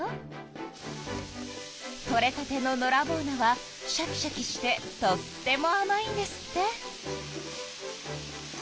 取れたてののらぼう菜はシャキシャキしてとってもあまいんですって。